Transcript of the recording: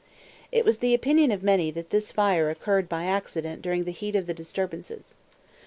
It was the opinion of many that this fire occurred by accident during the heat of the disturbances.